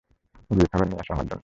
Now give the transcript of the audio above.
গিয়ে খাবার নিয়ে আসো আমার জন্য।